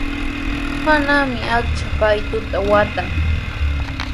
Paniimi achka paatuta waatan.